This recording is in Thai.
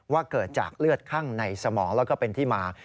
ว่าเกิดจากเลือดคั่งในสมองแล้วก็เป็นที่มา